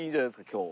今日。